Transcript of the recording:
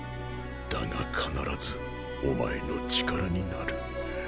だが必ずお前の力になる。